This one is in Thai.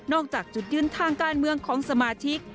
จากจุดยืนทางการเมืองของสมาชิก